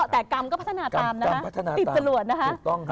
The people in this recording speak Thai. แต่กรรมก็พัฒนาตามนะฮะติดจรวดนะคะ